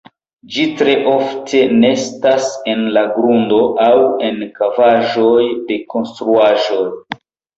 Ĝi tre ofte nestas en la grundo aŭ en kavaĵoj de konstruaĵoj.